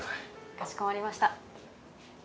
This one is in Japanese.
かしこまりました。